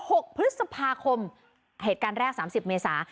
หกพฤษภาคมเหตุการณ์แรกสามสิบเมษา